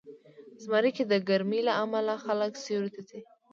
زمری کې د ګرمۍ له امله خلک سیوري ته ځي.